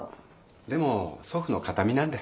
でも祖父の形見なんで。